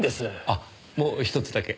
あっもう一つだけ。